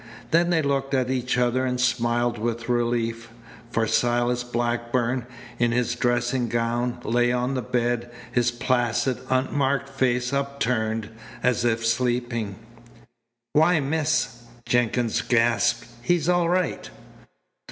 Then they looked at each other and smiled with relief, for Silas Blackburn, in his dressing gown, lay on the bed, his placid, unmarked face upturned, as if sleeping. "Why, miss," Jenkins gasped. "He's all right."